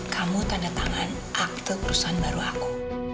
kamu tanda tangan akte perusahaan baru aku